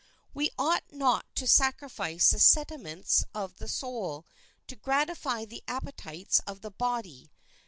We ought not to sacrifice the sentiments of the soul to gratify the appetites of the body.